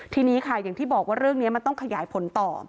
ทีนี้ค่ะอย่างที่บอกว่าเรื่องนี้มันต้องขยายผลต่อ